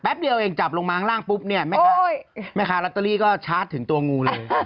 แป๊บเดียวเองจับลงมาข้างล่างปุ๊บแม้ขายลอตเตอรี่ก็ชาร์จถึงตัวงูเลย